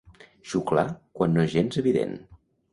Xuclar quan no és gens evident.